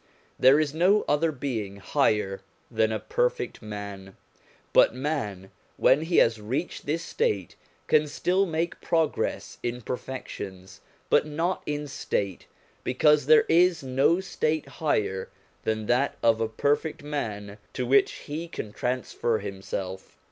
There is no other being higher than a perfect man. But man when he has reached this state can still make progress in perfections but not in state, because there is no state higher than that of a perfect man to which he can transfer himself.